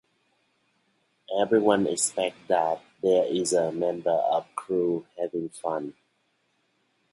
Everyone expects that there is a member of the crew having fun.